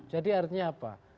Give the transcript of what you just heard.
jadi artinya apa